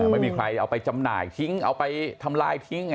ไม่มีใครเอาไปจำหน่ายทิ้งเอาไปทำลายทิ้ง